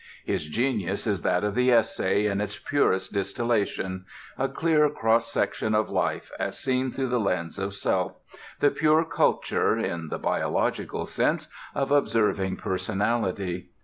His genius is that of the essay in its purest distillation: a clear cross section of life as seen through the lens of self; the pure culture (in the biological sense) of observing personality.